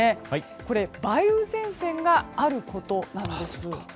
これ梅雨前線があることなんです。